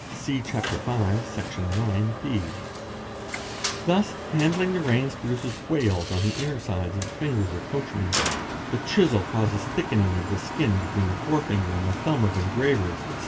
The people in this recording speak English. (See Chapter V., Sec. ix.B.). Thus handling the reins produces wales on the inner sides of the fingers of coachmen; the chisel causes thickening of the skin between the forefinger and thumb of engravers, etc.